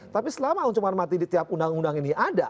tapi selama ancaman mati di tiap undang undang ini ada